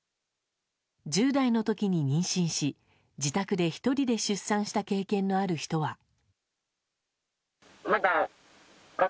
１０代の時に妊娠し自宅で１人で出産した経験のある人は。